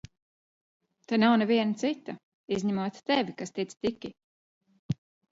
Te nav neviena cita, izņemot tevi, kas tic Tiki!